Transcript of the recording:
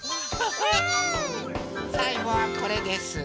さいごはこれです。